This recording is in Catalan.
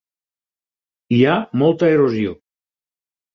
Hi ha molta erosió.